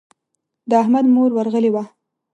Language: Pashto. د احمد مور ورغلې وه.